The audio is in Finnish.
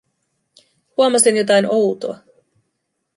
Huomasin jotain outoa: